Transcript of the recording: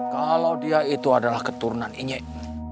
kalau dia itu adalah keturunan inyek